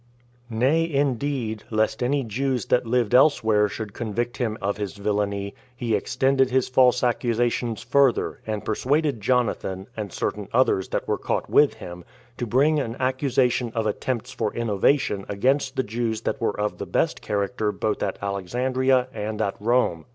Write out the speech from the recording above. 3. Nay, indeed, lest any Jews that lived elsewhere should convict him of his villainy, he extended his false accusations further, and persuaded Jonathan, and certain others that were caught with him, to bring an accusation of attempts for innovation against the Jews that were of the best character both at Alexandria and at Rome.